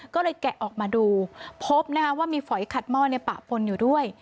ก็เลยแกะออกมาดูพบว่ามีฝอยขัดหม้อในปะปนอยู่ด้วย